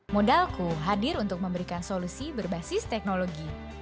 modalku hadir untuk memberikan solusi berbasis teknologi